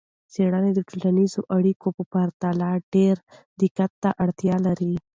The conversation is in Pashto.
څیړنې د ټولنیزو اړیکو په پرتله ډیر دقت ته اړتیا لري.